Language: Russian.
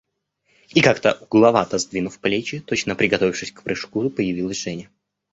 И, как-то угловато сдвинув плечи, точно приготовившись к прыжку, появилась Женя.